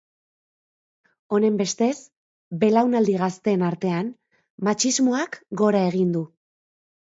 Honenbestez, belaunaldi gazteen artean matxismoak gora egin du.